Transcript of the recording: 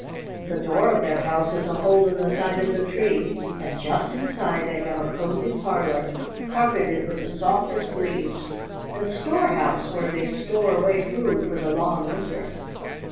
The door of their house is a hole in the side of the tree, and just inside they have a cozy parlor carpeted with the softest leaves, and a storehouse where they store away food for the long winter.